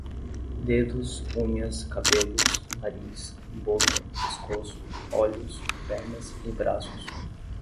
Dedos, unhas, cabelos, nariz, boca, pescoço, olhos, pernas e braços